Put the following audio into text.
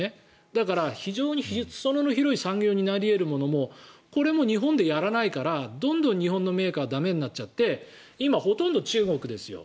だから、非常に裾野の広い産業になり得るものもこれも日本でやらないからどんどん日本のメーカーは駄目になっちゃって今、ほとんど中国ですよ。